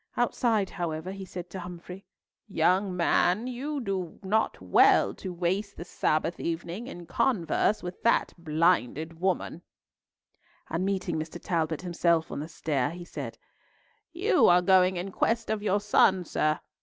Outside, however, he said to Humfrey, "Young man, you do not well to waste the Sabbath evening in converse with that blinded woman;" and meeting Mr. Talbot himself on the stair, he said, "You are going in quest of your son, sir.